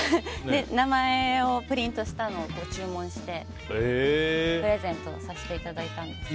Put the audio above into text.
名前をプリントしたのを注文して、プレゼントさせてもらったんですけど。